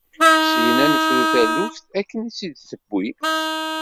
Syin, ad nefru taluft akken i d-tewwi.